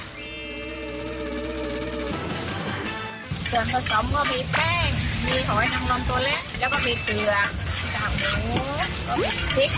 ส่วนผสมก็มีแป้งมีหอยหังนอนตัวเล็ก